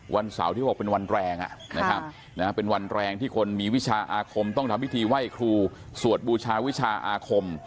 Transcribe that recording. วันเสาร์ที่บอกเป็นวันแรงเป็นวันแรงที่คนมีวิชาอาคมต้องทำพิธีไหว้ครูสวดบูชาวิชาอาคม